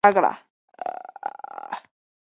西汉泰山郡刚县人。